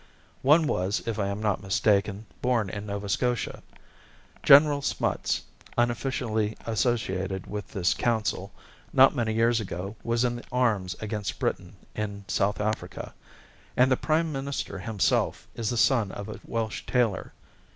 One was, if I am not mistaken, born in Nova Scotia. General Smuts, unofficially associated with this council, not many years ago was in arms against Britain in South Africa, and the prime minister himself is the son of a Welsh tailor.